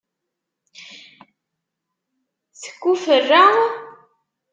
Tekuferra?